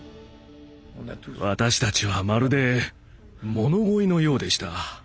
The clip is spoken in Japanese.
私たちはまるで物乞いのようでした。